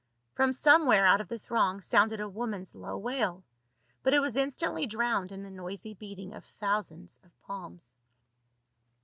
From somewhere out of the throng sounded a woman's low wail, but it was instantly drowned in the noisy beating of thousands of palms.